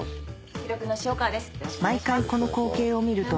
記録の塩川です。